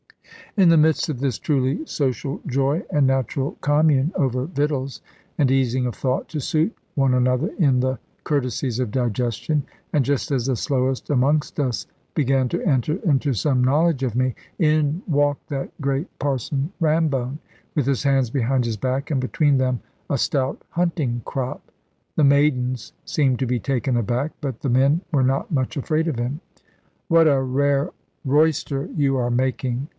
In the midst of this truly social joy, and natural commune over victuals, and easing of thought to suit one another in the courtesies of digestion; and just as the slowest amongst us began to enter into some knowledge of me, in walked that great Parson Rambone, with his hands behind his back, and between them a stout hunting crop. The maidens seemed to be taken aback, but the men were not much afraid of him. "What a rare royster you are making!